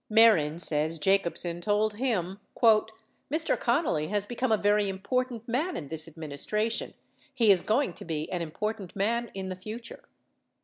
90 Mehren says Jacobsen told him: "Mr. Connally has become a very important man in this administration; he is going to be an important man in the future."